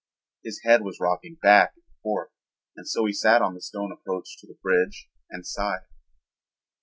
His head was rocking back and forth and so he sat on the stone approach to the bridge and sighed.